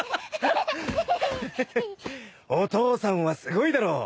お父さんはすごいだろ！